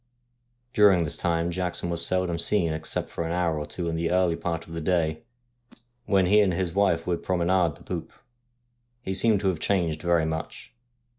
During this time Jackson was seldom seen except for an hour or two in the early part of the day, when he and his wife would promenade the poop. He seemed to have changed very much.